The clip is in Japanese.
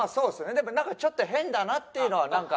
でもちょっと変だなっていうのはなんか。